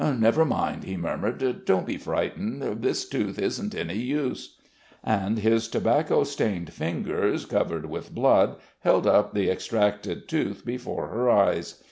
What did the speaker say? "Never mind...." he murmured. "Don't be frightened.... This tooth isn't any use." And his tobacco stained fingers, covered with blood, held up the extracted tooth before her eyes.